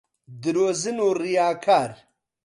درۆزن و ڕیاکار